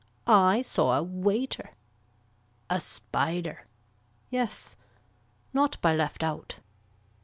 I saw a waiter. A spider. Yes. Not by left out.